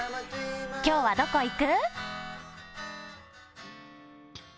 今日はどこ行く？